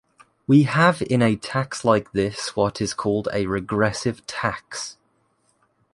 We have in a tax like this what is called a regressive tax.